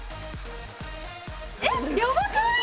えっやばくない？